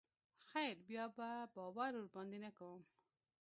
خير بيا به باور ورباندې نه کوم.